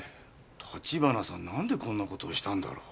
橘さんなんでこんなことをしたんだろう？